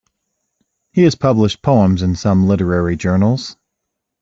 He has published poems in some literary journals.